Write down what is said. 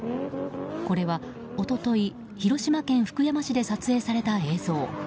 これは一昨日広島県福山市で撮影された映像。